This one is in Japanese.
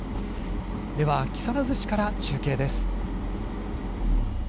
では木更津市から中継です。